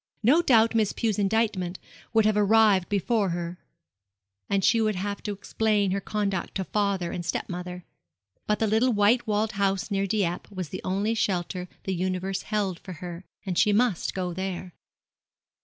No doubt Miss Pew's indictment would have arrived before her; and she would have to explain her conduct to father and step mother. But the little white walled house near Dieppe was the only shelter the universe held for her, and she must go there.